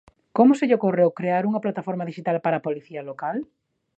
Como se lle ocorreu crear unha plataforma dixital para a Policía Local?